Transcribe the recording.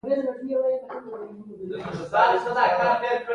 سړي ته يې وويل امر صايب خيريت خو به وي.